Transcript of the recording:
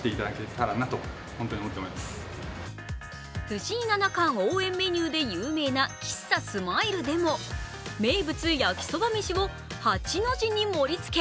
藤井七冠応援メニューで有名な喫茶スマイルでも名物・焼きそばめしを８の字に盛りつけ。